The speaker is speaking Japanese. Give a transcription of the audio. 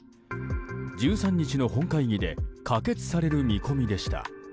１３日の本会議で可決される見込みでした。